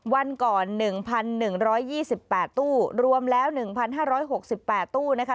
วันก่อน๑๑๒๘ตู้รวมแล้ว๑๕๖๘ตู้นะคะ